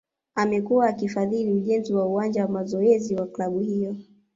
Amekuwa akifadhili ujenzi wa uwanja wa mazoezi wa klabu hiyo